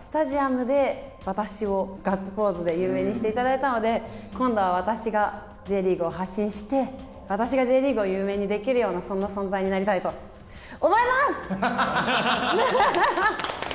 スタジアムで、私をガッツポーズで有名にしていただいたので、今度は私がＪリーグを発信して、私がＪリーグを有名にできるような、そんな存在になりたいと思います！